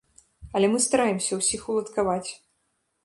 Але мы стараемся ўсіх уладкаваць.